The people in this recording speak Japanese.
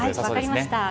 分かりました。